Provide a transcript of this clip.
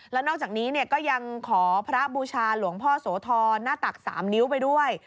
แล้วนอกจากนี้ก็ยังขอพระบูชาหลวงพ่อโสธรหน้าตัก๓นิ้วไปด้วย